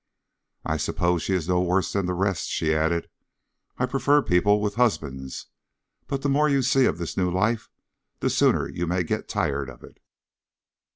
"I suppose she is no worse than the rest," she added. "I prefer people with husbands, but the more you see of this new life the sooner you may get tired of it."